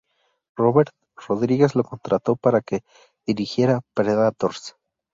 Robert Rodriguez lo contrató para que dirigiera "Predators".